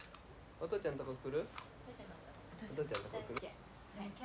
お父ちゃんとこ来る？